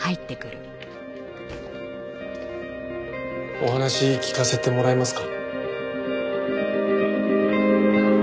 お話聞かせてもらえますか？